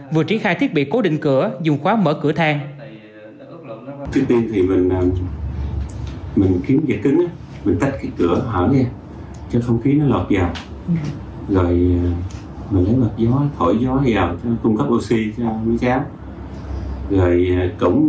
vừa triển khai thiết bị cố định cửa dùng khóa mở cửa thang